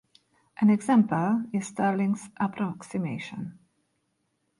An example is Stirling's approximation.